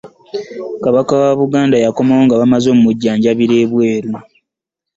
Kabaka wa Buganda yakomawo nga bamaze okumujanjabira ebweru.